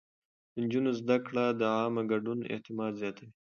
د نجونو زده کړه د عامه ګډون اعتماد زياتوي.